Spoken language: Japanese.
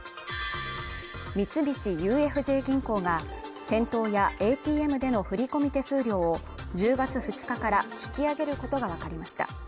三菱ＵＦＪ銀行が店頭やＡＴＭでの振り込み手数料を１０月２日から引き上げることがわかりました。